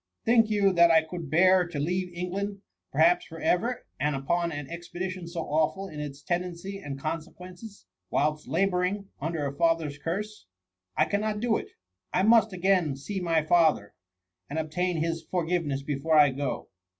Think you, that I could bear to leave England, per haps for ever, and upon an expedition so awful in its tendency and consequences, whilst labour ing under a father'^s curse ? I cannot da it. I must again see my father, and obtain his for giveness before I go."